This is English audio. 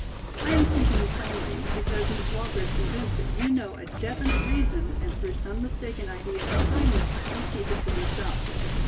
I am speaking plainly, because Miss Walker is convinced that you know a definite reason and through some mistaken idea of kindness, you keep it to yourself.